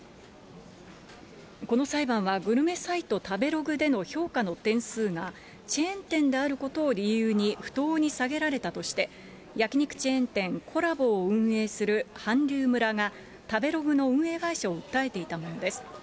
この裁判はグルメサイト、食べログでの評価の点数が、チェーン店であることを理由に不当に下げられたとして、焼き肉チェーン店、コラボを運営する韓流村が、食べログの運営会社を訴えていたものです。